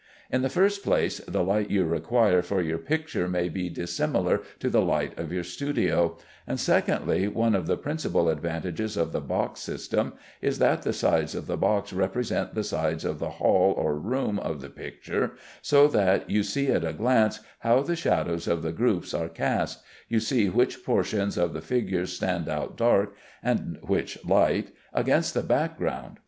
In the first place, the light you require for your picture may be dissimilar to the light of your studio; and, secondly, one of the principal advantages of the box system is that the sides of the box represent the sides of the hall or room of the picture, so that you see at a glance how the shadows of the groups are cast, you see which portions of the figures stand out dark, and which light, against the background.